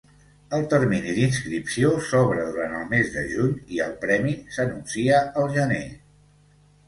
El termini d'inscripció s'obre durant el mes de juny i el premi s'anuncia al gener.